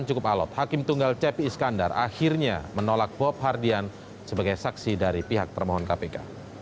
dan cukup alot hakim tunggal cepi iskandar akhirnya menolak bob hardian sebagai saksi dari pihak termohon kpk